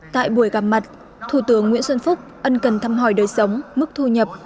tại buổi gặp mặt thủ tướng nguyễn xuân phúc ân cần thăm hỏi đời sống mức thu nhập